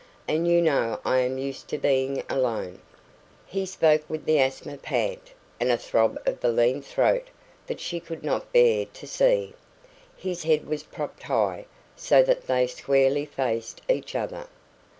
And you know I am used to being alone." He spoke with the asthma pant, and a throb of the lean throat that she could not bear to see. His head was propped high, so that they squarely faced each other.